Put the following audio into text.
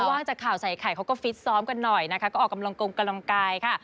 ว่างจากข่าวใส่ไข่เขาก็ฟิตซ้อมกันหน่อยนะคะก็ออกกำลังกงกำลังกายค่ะ